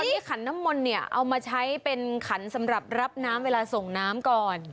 นี่ขันน้ำมนต์เนี่ยเอามาใช้เป็นขันสำหรับรับน้ำเวลาส่งน้ำก่อน